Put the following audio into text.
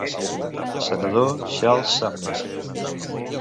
Senador Charles Sumner.